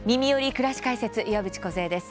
くらし解説」岩渕梢です。